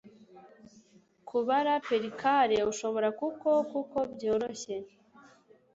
kubara percale ushobora kuko kuko byoroshye